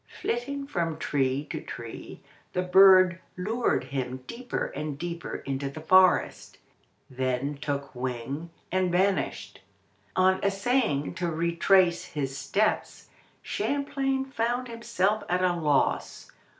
Flitting from tree to tree, the bird lured him deeper and deeper into the forest, then took wing and vanished. On essaying to retrace his steps Champlain found himself at a loss.